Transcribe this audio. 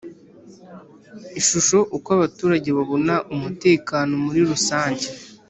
Ishusho Uko abaturage babona umutekano muri rusange